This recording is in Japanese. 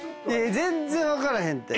全然分からへんって。